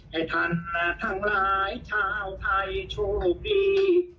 ให้ท่านและทั้งหลายชาวไทยโชคดี